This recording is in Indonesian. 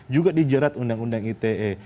juga dijerat undang undang ite